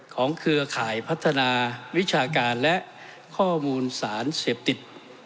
เครือข่ายพัฒนาวิชาการและข้อมูลสารเสพติด